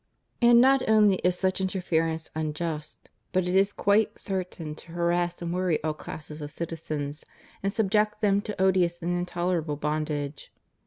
And not only is such interference unjust, but it is quite certain to harass and worry all classes of citizens, and subject them to odious and intolerable bondage.